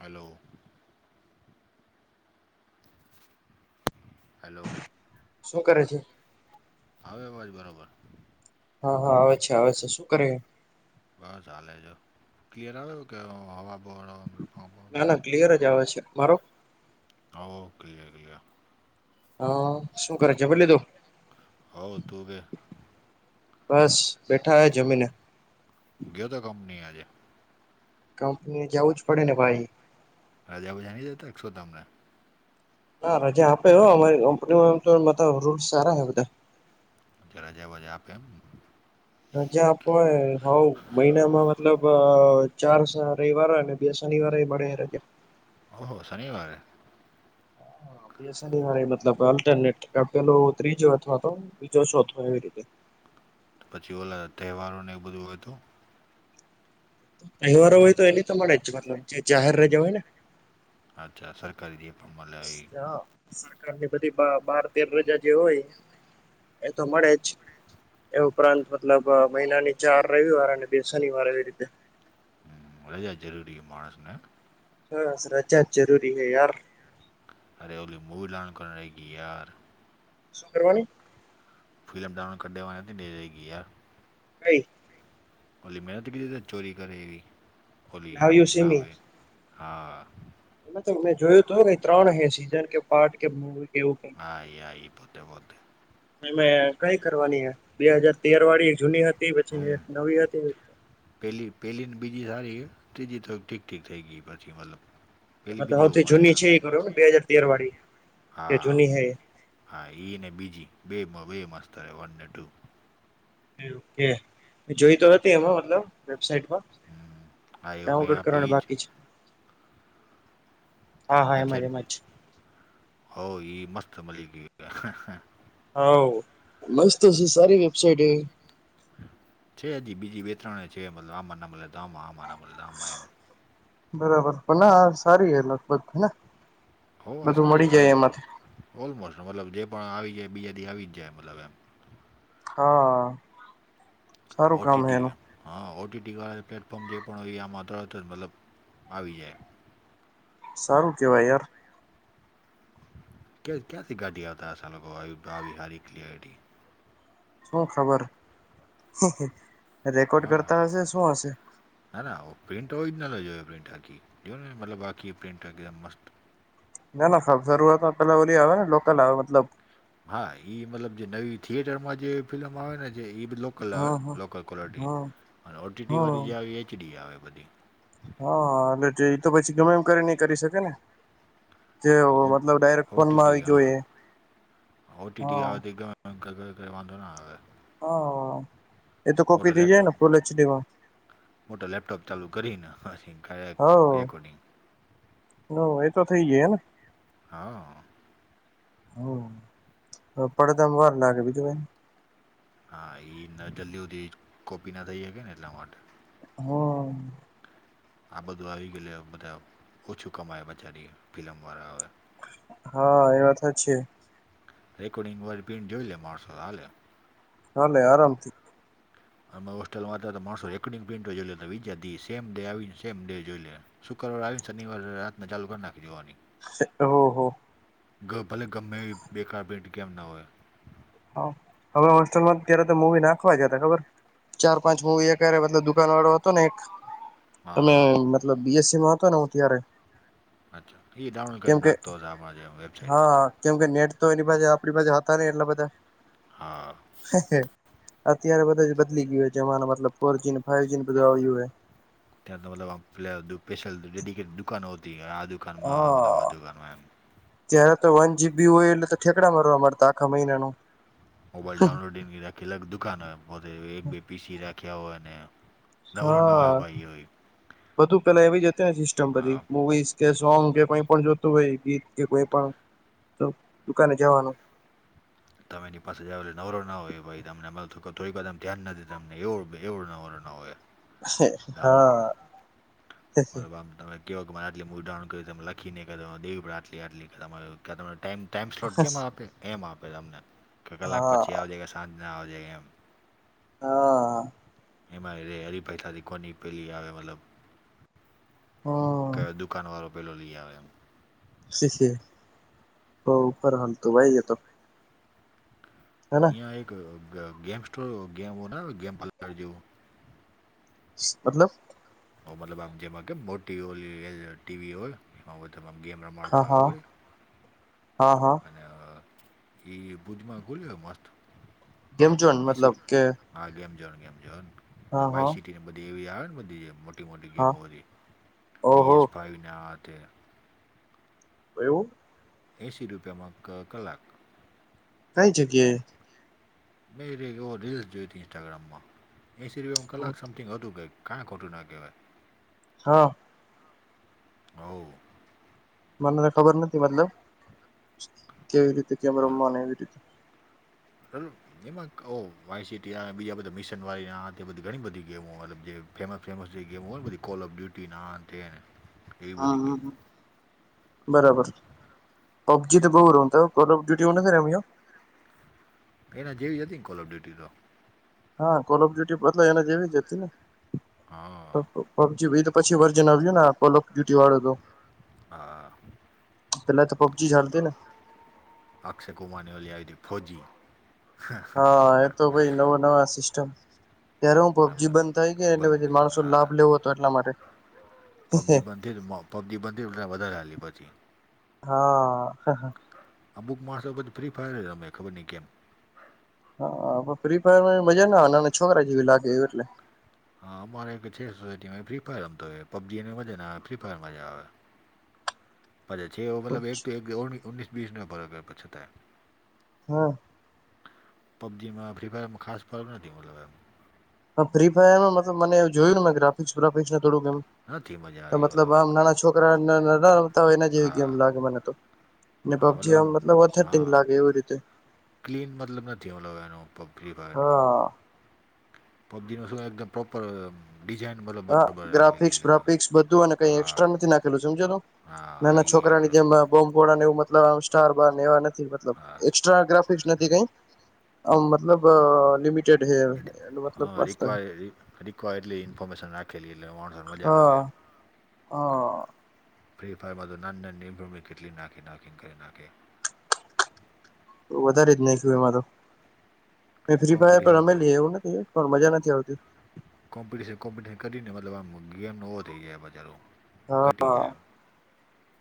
Hello. Hello. શું કરે છે. આવે આવાજ બરોબર. હા હા આવે છે આવે છે શું કરે એમ. બસ હાલે જો ક્લિયર આવે કે હવા [unintelligible] ના ના ક્લિયર જ આવે છે મારો હો ક્લીયર ઈ આ. હા શું કરે છે? જમી લીધું? હો તુ બે. બસ બેઠા હે જમી ને. ગયો તો કંપની એ આજે કંપની એ જાવું જ પડે ને ભાઈ. રજા બજા નહિ દેતા કે સુ તમને? ના રજા આપે હો અમારી કંપનીમાં એમ તો રૂલ સારા હૈ બધાય. ત્યાં રજા બજા આપે એમ. રજા આપે હાઉ મહિનામાં મતલબ અ ચાર સ રવિવાર હોય ને. બે શનિવારે મળે રજા. ઓહો શનિવારે? બે શનિવારે મતલબ અલ્ટરનેટ કા પેલો ત્રીજો અથવા તો બીજો ચોથો એવી રીતે તો પછી ઓલા તહેવારોને એ બધું હોય તો? તહેવારો હોય તો એની તો મળે જ મતલબ જે જાહેર રજા હોય ને. અચ્છા સરકારી પણ મળે એ હા સરકારની બધી બાર તેર રજા જે હોય એ તો મળે જ એ ઉપરાંત મતલબ મહિનાની ચાર રવિવાર અને બે શનિવાર એવી રીતે હમ, રજા જરૂરી માણસને બસ રજા જરૂરી હૈ યાર અરે ઓલી મૂવલાન કો કે યાર [unintelligible] શું કરવાની? ફિલ્મ ડાઉનલોડ કરઢેવાથી ડઈ ગ યાર [unintelligible] કઈ? ભોલી મહેનત કરીધ ત ચોરી કરી એવી ભલી નાવ યુ સી મી નાાવે હા [unintelligible] એમાં તો મેં જોયું હતું ત્રણ હે સીઝન કે પાર્ટ એવી હા ઈ હા ઈ પોતે પોતે એમા કઈ કરવાની બે હાજર તેર વાળી જૂની હતી પછી હમ નવી હતી પેલી પેલી ને બીજી સારી ત્રીજી તો ઠીક ઠીક થઈ ગઈ પછી મતલબ પેલી બીજી બહુ સૈથી મસ્ત હે. જૂની છે એ કરો ને બે હાજર તેર વાળી કે હા જૂની છે ઈ હા એ ને બીજી બેય મસ્ત છે વન ને ટુ ઓકે જોઈતો હતી એમાં મતલબ વેબસાાઈટમાં હમ હા એવું મેં ડાઉનલોડ આપી કરવાની ઈ જ બાકી છે. હા હા એમાં જ એમાં જ વેબસાાઈટ હો એ મસ્ત મળી ગઈ હા મસ્ત છે સારી વેબસાઇટ હે છે હજી બીજી બે ત્રણે છે મતલબ આમા ના મળે તો આમા એમ બરાબર પણ ના સારી એ લગભત હેને હો આ બધું સારી મળી જાય હાલે એમાંથી ઓલમોસ્ટ મતલબ જે પણ આવી જાય બીજા દી આવી જાય મતલબ એમ હા સારું કામ હે ઓટીટી એનું હા ઓટીટીવાળા પ્લેટફોર્મ જે પણ હોય આમાં તરત જ મતલબ આવી જાય સારું કેવાય યાર ક્યાંથી કાઢી આવતા હશે આ લોકો આવી આવી હારી ક્લીયારિટી શું ખબર રેકોર્ડ હા કરતા હશે શું હશે? ના ના પ્રિન્ટ ઓરિજિનલ જ હોય પ્રિન્ટ આખી જો મતલબ બાકી પ્રિન્ટ એકદમ મસ્ત ના ના શરૂઆત પેલા ઓલી આવે ને લોકલ આવે મતલબ હા મતલબ જે નવી થિયેટર માં જે ફિલ્મ આવે ને જે એ મતલબ કલર હા હા લોકલ કલટી હા અને ઓટીટી હા વાળી જે આવી એચડી આવે બધી હા હા એટલે એ તો પછી ગમે એમ કરી ને કરી શકે ને જે હા એ-એ મતલબ ડાયરેક્ટ ફોનમાં ઓટીટી આવી ગયો હા એ -હ ંગ [unintelligible] વાંધો ન આવે હ અ -એ તો કોપી થઈ જાય ને ફૂલ એચડીમાં હું તો લેપટોપ ચાલુ કરીને હસી હ હ- એ તો થઇ ગયો એ ને હા હમ- પડદા માં વાર લાગે બીજું કાંઈ હા એ ન જલ્દી સુધી કોપી ના થઈ શકે ને એટલા માટે હમ -આ બધું આવી ગયું લે હવે બધા ઓછું કમાયા બચારી ફિલ્મ વાળા હવે હા- એ વાત સાચી હે રેકોર્ડિંગ વાડી પ્રિન્ટ જોઈલે માણસો હાલે હા એટલે આરામથી અમે હોસ્ટેલ માંતા હતા માણસો રેકોર્ડિંગ પ્રિન્ટ જોઈ લેતા બીજા દિવસે સેમ ડે આવી નેે સેમ ડે જોઈ લે શુક્રવાર આવી ને શનિવારે રાતને ચાલુ કરી નાખી દેવાની સ-ઓ-હો હો ગ ભલે ગમે એવી બેકાર પ્રિન્ટ કેમ ના હોય હા- હવે હોસ્ટેલ માં ત્યારે તો મુવી નાખવા જ હતા ખબર ચાર પાંચ મુવી એક હારે મતલબ દુકાન વાળો હતો ને એક -એ હા મે હા મતલબ બીએસસી માં હતો ને અત્યારે અચ્છા એ ડાઉનલોડ કરીને નાખતો હશે આપણા જે વેબસાાઈટ માંથી કેમ કે નેટ તો એની પાસે આપણી પાસે હતા ને એટલા બધા હા એ હે -અત્યારે બધું જ બદલી ગયું હે જમાનું મતલબ ફોરજી ને ફાઈવ જી ને બધું આવી ગયું યું હે ત્યાં તો મતલબ આમ પેલા દુ સ્પેશિયલ ડે ડેલિકેટ દુકાનો હોતી આ દુકાન માં મતલબ આ હા દુકાનમાં એમ ત્યારે તો વન જીબી હોય એટલે તો ઠેકડા મારવા મળતા આખા મહિનાનું મોબાઈલ ડાઉનલોડિંગ રાખી અલગ દુકાનો પોતે એક બે પીસી રાખ્યા હોય અને હા -બધું પેલા એવી જ હતી ને સિસ્ટમ બધી હા મુવીઝ કે સોંગ કે કઈ પણ જોતું હોય ગીત કે કોઈ પણ તો દુકાને જવાનું તમે એની પાસે જ આવે નવરો ના હોય એ ભાઈ તમને થોડી વાર એમ ધ્યાન નથી તમને એવું બ એવું નવરો ના હોય [unintelligible] હા મારો બામ તમે કેવવા કે મને આટલી મુવી ડાઉનલોડ કરી તમે લખીને કે દેવી પણ આટલી આટલી તમારે ક્યાં ટાઈમ ટાઈમ સ્લોટ કેમ આપે એમ આપે તમને કે કલાક હા પછી આવજ કે સાંજના આવજે એમ હા એમાં રે હરી ફાઈ થતી કોની પેલી આવે મતલબ હમ -કયો દુકાનવારો પેલો લઈ આવે એમ શીખી કરર [unintelligible] હાલ તો વાઈ જ તો હેને આ એક ગ ગેમ સ્ટોર ગેમ બનાવે ગેમ [unintelligible] જેવું શી- મતલબ મતલબ આમ જેમાં કે મોટી ઓ લી ટીવી હોય એમાં તેમા એમ ગેમ હા રમારતા હા ખબર છે હા હા અને એ બુદીમાં ગુલ્યો મસ્ત ગેમ જોન એસી મતલબ કે હા ગેમ જૉન ગેમ જોન હા વાય હા સીટી ને એ બધી એવી ને બધી મોટી મોટી ગેમ હા હો હતી- પી ઓહો એસ ફાઈવ ને આ તે એવું એસી રૂપિયામાં કલાક કઈ જગ્યાએ નહી ર એવો રીલ્સ જોઈ ત ઇન્સ્ટાગ્રામમાં એ સિ હું કલાક સમ ટિંગ હતું કે ક્યાઈ ખોટું ના કહેવાય હા હ મનેને ખબર નથી મતલબ કેવી રીતે કેમ રમવા એવી રીતે બ એમાં કહો વાયસીીટી બીજા બધા મિશનવાળીના તે બધી ઘણી બધી ગેમો મતલબ જે ફેમસ ફેમસ જે ગેમું હોલ બધ ક કોલ ઓફ ડ્યુટી ના અંતેને હા હા હા બરાબર પબજી તો બહુ રહ ત કોલ ઓફ ડ્યુટી નથી એના જેવી હતી ને કોલ ઓફ ડ્યુટી તો હા કોલ ઓફ ડ્યુટી બતલ એને જેવી જતી ને હા પબજી તો પછી વર્જન આવ્યું ને ડુટી વાળો હતો હા પેલા તો પબજી ચાલતી ને અક્ષ કમાને વાી આઈ ફોજી હા એતો ભાઈ નવો નવા સિસ્ટસ્ટમ ત્યારે હું ના પબજી બ- બંધ થાય ગઈ એટલે બંધ પછી થઈ માણસો લાભ હા લેવો હતો એટલા માટે કેર મા જે પબ્જી બધી વધારે હાલી પછી. હા. અમુક માણરો પછી ફ્રી ફાયર જ રમે, ખબર નહીં કેમ? હા પણ ફ્રી ફાયરમા મજા નો આવે નાનાં છોકરા જેવી લાગે એ એટલે. હા અમારે એક છે સોસાયટીમાં એ ફ્રી ફાયર રમતાં હોય એમ પબ્જી એને મજા ના આવે ફ્રી ફાયરમા જ આવે. પાછ છે એવો મતલબ એક તો એક ઓણીસીસ વીસને બરાબર કછુ થાય. હ. પબજીમાં, ફ્રી ફાયરમાં ખાસ ફરક નથી મતલબ એમ. ફ્રી ફાયરનું મતલબ મને જોયુંને ગ્રાફિક્સ વ્રાફિક્સ થોડુંક એમ નથી મજા તો આવી મતલબ આમ નાનાં છોકરાને નતા તા એના જેવી ગેમ હા લાગે મને તો ને પબજી આમ. મતલબ ઓથેન્ટિક હા લાગે એવી રીતે. ક્લીન મતલબ નથી મતલબ એનો ફ્રી ફાયરમા. હા પબ્જીમા શું હોર કે પ હા રાખેલી ગ્રાફિકસ એ લોકોએ બ્રાફિક્સ બધું અને કઈ હા એકસ્ટ્રા નથી નાખેલું સમજ્યો તું? હા હા નાના એ છોકરાની મતલબ જેમ બોમ્બ ગોળાને એવું મતલબ સ્ટાર બાર એવા નથી મતલબ હા એ કસ્ટ્રા ગ્રાફિક્સ નથી કંઈ અ મતલબ લિમિટ ટેડ હે એનો મતલબ રિક્વાયર્ડલી ઈન્ફોર્મેશન રાખેલી એટલે મોણહ મજા આવે એમ. અ ફ્રી ફાયરમાં તો નાન નાની ભૂમે કેટલી નાખી નાખીંગ કરી નાખે. વધારે જ નાખ્યું એમા તો ને પછી ફ્રી ફાયર તો કોમ્પિટિશન રમે જ નહીં એવું નથી એમ. પણ મજા નથી આવતી. કોમ્પિટિશન કોમ્પિટિશન કરીને મતલબ આમ ગેમ નવો થઈ જાય મજાનો. હા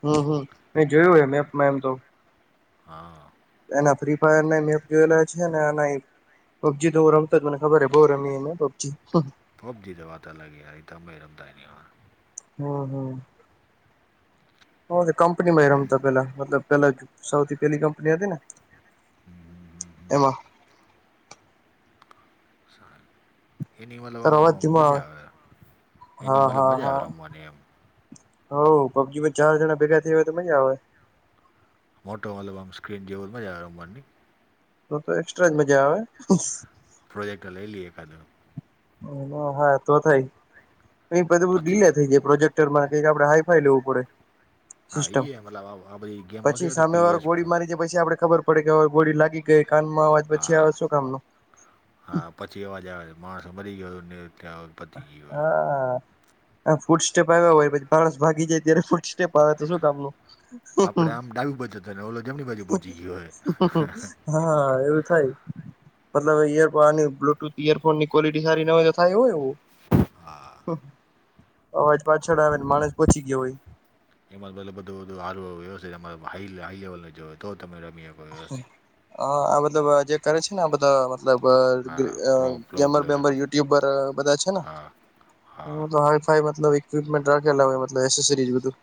હમ્મ હમ્મ મેં જોયું હે મેપમાં એમ તો. હા. એના ફ્રી ફાયરને મેપ યુના છે ને એનાં પબજી તો હું રમતો જ મને ખબર હે બહુ રમી મેં પબજી. પબજી તો વાત અલગ હે આઈ તમે તે રમતાં નઈ આવેન. હમ્મ હમ્મ. અમે તો કંપનીમાંય રમતાં પેહલા મતલબ પેલાં જ સૌથી પેહલી કંપની હતી ને હમ. એમાં. સારું. એની મતલબ તારો આમ અવાજ મ ધીમો મજા આવે આમ એની હા મતલબ મજા આવે રમવાની એમ. હવ પબજીમાં ચાર જણા ભેગા થયા હોય તો મજા આવે. મોટો આલુ મતલબ આમ સ્ક્રીન જેવું હોય તો મજા આવે રમવાની નઈ? તો તો એક્સ્ટ્રાજ મજા આવે. પ્રોજેક્ટર લઈ લઈએ એકાદ. હા તો થાય એ બધું બધું ડીલે પછી થઈ જાય પ્રોજેક્ટરમાં કંઈક આપડે હાઈ ફાઈ લેવું પડે હા સિસ્ટમ એ મતલબ આ આ બધી ગેમ નહોતી પછી આવતી સામેવાળુ પીએસ પર ગોળી મારી દેય પછી આપણે ખબર પડે કે હવે ગોળી લાગી ગઈ કાનમાં અવાજ પછી હા આવે શું કામનો? હા પછી અવાજ આવે માણસ મરી ગયોન ત્યાં પતી ગયો હોય. આમ ફૂટ સ્ટેપ આય્વા હોય પછી પાણસ ભાગી જાય ત્યારે ફૂટ સ્ટેપ આવે તો શું કામનું? આપણે આમ ડાબી બાજુ જતાં રીયેને ઓલો જમણી બાજુ પહોંચી ગયો હોય. હ એવું થાય. મતલબ ઈયરફોન આની બ્લુટૂથ ઈયરફોનની ક્વોિલિટી સારી ના હોય તો થાય હો એવું. હા. અવાજ પાછળ આવે ને માણસ પહોચી ગયો હોય. એમાં ભઈ લોકો બધું બધું હારું વ્યવસ્થિત એમ મારા હાઈ લેવલનું જોયે તો તમે રમી શકો હ વ્યવસ્થિત આ મતલબ જે કરે છે ને આ બધાં મતલબ હા પ્રો પ્રો ગેમ્બર પ્લેયર બેેમ્બર યુટ્યુબ બધા છે ને હા, હા. હ મ ઈક્પમેન્ટ રાખેલારી બધું.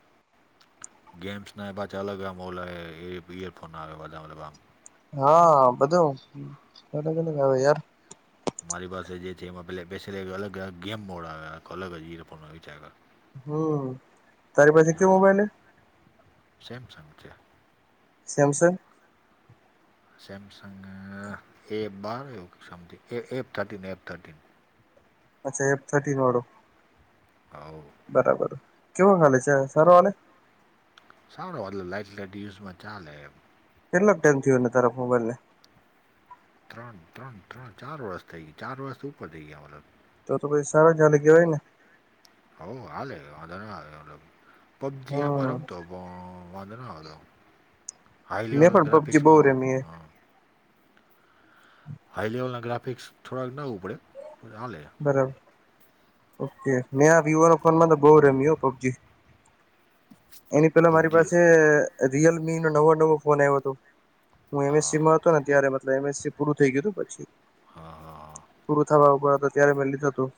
ગેમ્સ ના પાછા અલગ આમ ઈયરફોન આવે. હા બધુંને કને ગ આવે યાર. મારી પાસે જે છે એમાં પે બેસે અલગ ગેમ મોડ આવ અલગ ો વિચાર. હમ તારી પાસે કેયો મોબાઈલ. સસંગ છે. સેમસંગ સેમસંગ એ બાર something A A thirteen F thirteen. અચ્છા એફ થર્ટીન વાળો. આવવ બરાબર કેવો ખાલે છે સારો વાલે સારોતલ લઇટ લ યુઝમાં ચાલેમ કેટલોક ટાઈમ થયો ને તાર મોબાઈલ ને. ત્રણ ત્રણ ત્રણ ચાર વર્ષ થઈ ગયા ચાર વર્ષ ઉપર થઈ ગયા મતલબ. તો તો પછ સારા જાલ ગયો હોય ને. હ હાલે પબજી આમાં હમ રમતો પણ ંધરા આવદ હાઈ મેં લેવલ ન પણ પબજી ગ્રાફિકક્સ બહુ માને રમી હે હા હાઈ લેવલના ગ્રાફિક્સ થોડાક નવું પડેછ આા લે. બરાબર ઓકે મેં આ વિવો ન ફોનમાં તો બહ રમ્યું પબજી. એની પેલા મારી પબજી પાસે રિયલમી નો નવો નવો ફોન આવ્યો હતો. હું હા એમએસસીમાં હતો ત્યારે મતલબ એમએસસી પૂરું થઈ ગયુંછી. હા હા પૂરું થવા ઉભર હતો ત્યારે મેં લીધું હતું.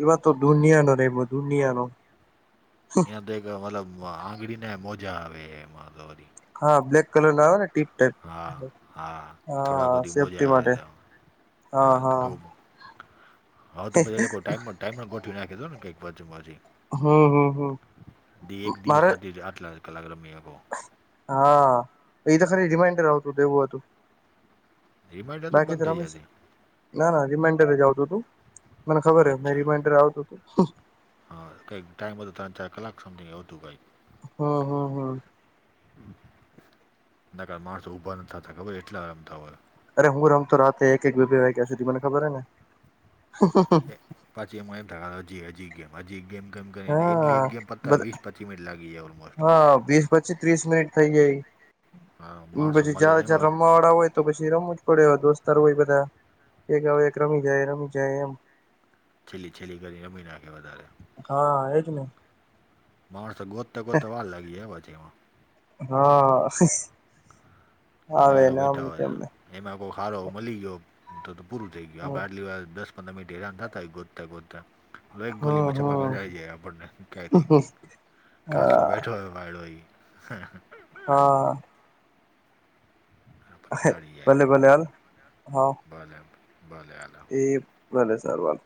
એવા તો દુનિયા નો રહેે દુનિયા નો એયા તો એક મતલબ આંગળીને મોજા આવે એમાં તો વ હા બ્લેક કલર લાવ ને ટીપ. ટાઈપ હા હા થોડાડા હા ખુદી મોજા સેફ્ટી આવે માટે ત. હા ગ હા તો પછી એઈ ટાઈમ ટાઈમ પણ ગોઠવી નાખી દો ને કઈક બાજુી. હમ હમ હમ એક દિવસ મારે આ આટલા કલાકી અ ગો હા એ તો ખરી રિમાઈન્ડર આવતું દે એવું હતું. રિમાઇન્ડર તો બાકી બંધ થઈ તી જતી ના ના રિમાન્ટરે જાવતું તું. મને ખબર હ મે અચ્છા રિમાઈન્ડર આવતોું હતું. હા કઈક ટાઈમ બધો ત્રણ ચાર કલાક સમંગ આવ હતું કઈક. હમ હમ હમ ના કાર માણસો ઉભા નાતા ખબર એટલા આરામ થ હોય [inaudible] અરે હું રમ તો રાતે એક એક બે બે વાગ્યા સુધી મને ખબર હ ને એ પાછી એમ થ હજી હજી ગમ હજી ગમમ કરી એની એક ગમ પ હા વ [inaudible] ટમે લાગી [inaudible] હા વીસ પછી ત્રીસ મિનિટ થઇ હા ગયા માણસો પછી મળે જા જા એમાં રમવા વાળા હોય તો પછી રમવું પડે દોસ્તારો હોય બધા એક એક રમી જાય રમી જાય એમ છેલ્લી છેલ્લી કરી રમી નાખે વધારે હા એ જ ને માણસ ગોતા ગોતા વાર લાગી જ પાછી એમા હા આવે ક્યાં એને આમ બેઠા હોય નથી અમને [unintelligible] એમાં કોઈ હારો મળી ગયો તો તો પૂરું થઈ ગયુ હમ આપણે આટલી વાર દસ પંદર મીનીટ થી હેરાન થતા હોય ગોતા ગોતા એક ગોલીમાં છબગ હમ જાય જ આપણને ક્યાથી ઘાાસમાં હા બેઠો હતો વાયડો ઈ હા આપણને ડાળી જાય ભલે આપણને ભલે હાલ હા [unintelligible] [unintelligible] એ ભલે સારુ આલ